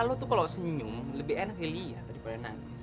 karena lo tuh kalau senyum lebih enak helia daripada nangis